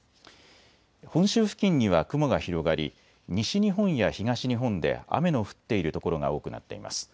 本州付近には雲が広がり西日本や東日本で雨の降っている所が多くなっています。